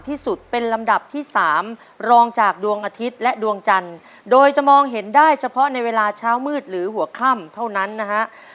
ที่สุดเป็นลำดับที่สามรองจากดวงอาทิตย์และดวงจันทร์โดยจะมองเห็นได้เฉพาะในเวลาเช้ามืดหรือหัวค่ำเท่านั้นนะฮะ